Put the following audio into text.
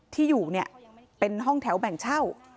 ที่อยู่เนี่ยเป็นห้องแถวแบ่งเช่า